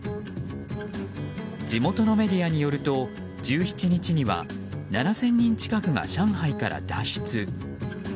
地元のメディアによると１７日には７０００人近くが上海から脱出。